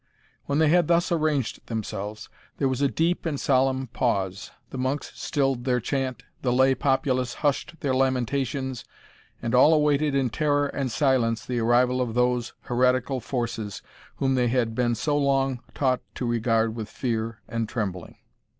When they had thus arranged themselves, there was a deep and solemn pause. The monks stilled their chant, the lay populace hushed their lamentations, and all awaited in terror and silence the arrival of those heretical forces, whom they had been so long taught to regard with fear and trembling.